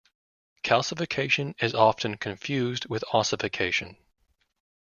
Calcification is often confused with ossification.